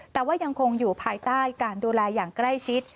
แต่ว่ายังคงอยู่ภายใต้การดูแลอย่างใกล้ชิด